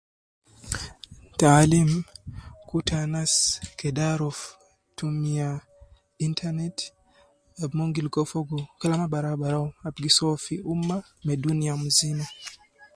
Taalim kutu anas kede aruf tumiya internet ab mon gi ligo fogo kalama barau barau a gi soo fi umma me dunia muzima